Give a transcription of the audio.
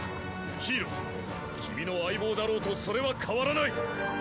ヒイロ君の相棒だろうとそれは変わらない。